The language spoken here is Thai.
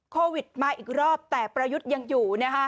โควิดมาอีกรอบแต่ประยุทธ์ยังอยู่